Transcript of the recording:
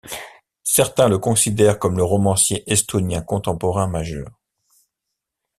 Certains le considèrent comme le romancier estonien contemporain majeur.